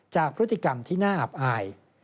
จากพฤติกรรมที่น่าอับอาย